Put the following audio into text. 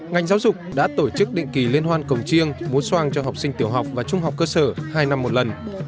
ngành giáo dục đã tổ chức định kỳ liên hoan cổng chiêng múa soang cho học sinh tiểu học và trung học cơ sở hai năm một lần